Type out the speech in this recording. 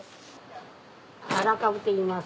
アラカブといいます。